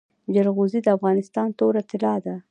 جلغوزي د افغانستان توره طلا ده